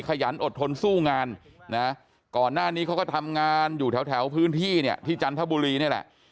ขยันอดทนสู้งานนะก่อนหน้านี้เขาก็ทำงานอยู่แถวพื้นที่เนี่ยที่จันทบุรีนี่แหละ